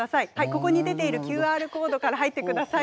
ここに出ているＱＲコードから入ってください。